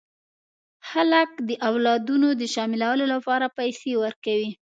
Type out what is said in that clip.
خلک د اولادونو د شاملولو لپاره پیسې ورکوي.